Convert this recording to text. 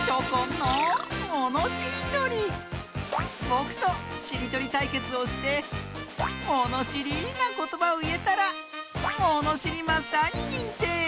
ぼくとしりとりたいけつをしてものしりなことばをいえたらものしりマスターににんてい！